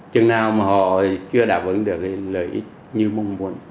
chừng nào mà họ chưa đáp ứng được lợi ích như mong muốn